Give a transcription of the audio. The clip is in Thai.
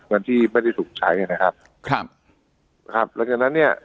เงินที่ไม่ได้ถูกใช้นะครับครับนะครับหลังจากนั้นเนี่ย